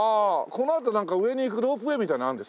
このあと上に行くロープウェーみたいなのあるんですか？